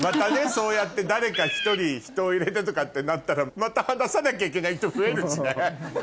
そうやって誰か１人人を入れてとかってなったらまた話さなきゃいけない人増えるしね。